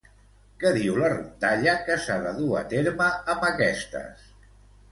Què diu la rondalla que s'ha de dur a terme amb aquestes?